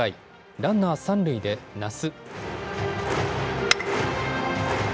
ランナー三塁で奈須。